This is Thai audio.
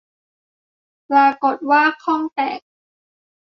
ปรากฏว่าข้องแตก